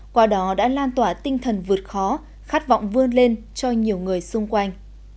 qua đó đã lan tỏa tinh thần vượt khó khát vọng vươn lên cho nhiều người xung quanh